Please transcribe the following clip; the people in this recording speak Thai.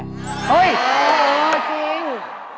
เฮ้ยจริง